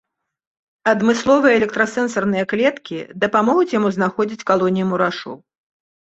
Адмысловыя электрасэнсорныя клеткі дапамогуць яму знаходзіць калоніі мурашоў.